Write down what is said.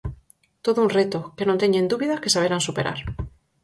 Todo un reto, que non teñen dúbida que saberán superar.